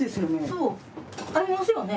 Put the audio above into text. そう。ありますよね？